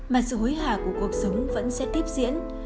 mà sự hối hả của cuộc sống vẫn sẽ tiếp diễn